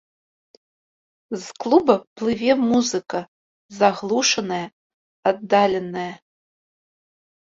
З клуба плыве музыка, заглушаная, аддаленая.